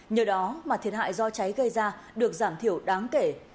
nhờ đó mà thiệt hại do cháy gây ra được giảm thiểu đáng kể